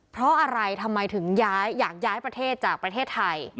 เพราะอะไรทำไมถึงอยากย้ายประเทศจากประเทศไทย